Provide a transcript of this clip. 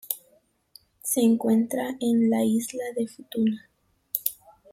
Se encuentra en la isla de Futuna.